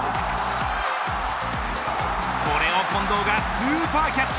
これを近藤がスーパーキャッチ。